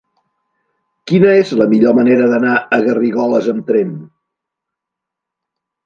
Quina és la millor manera d'anar a Garrigoles amb tren?